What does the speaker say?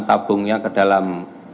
tabungnya ke dalam